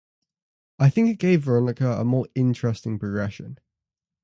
I think it gave Veronica a more interesting progression.